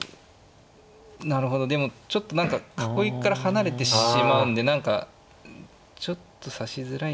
なるほどでもちょっと何か囲いから離れてしまうんで何かちょっと指しづらいんじゃないですかね。